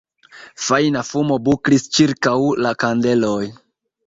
Fajna fumo buklis ĉirkaŭ la kandeloj.